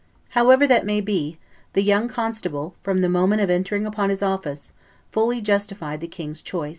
However that may be, the young constable, from the moment of entering upon his office, fully justified the king's choice.